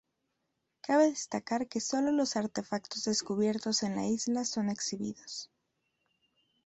Cabe destacar que sólo los artefactos descubiertos en la isla son exhibidos.